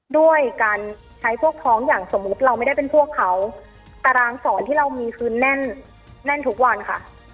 ด้วยการใช้พวกท้องอย่างสมมุติเราไม่ได้เป็นพวกเขาตารางสอนที่เรามีคือแน่นแน่นทุกวันค่ะ